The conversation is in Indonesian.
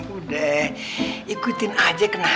udah ikutin aja kenapa